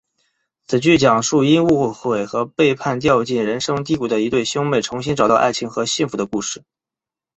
此剧讲述因误会和背叛掉进人生低谷的一对兄妹重新找到爱情和幸福的故事。